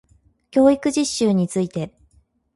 教育実習について